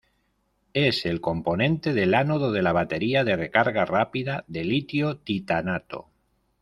Es el componente del ánodo de la batería de recarga rápida de litio-titanato.